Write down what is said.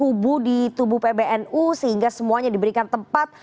kubu di tubuh pbnu sehingga semuanya diberikan tempat